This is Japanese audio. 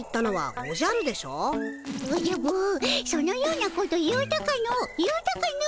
おじゃぶそのようなこと言うたかの言うたかの。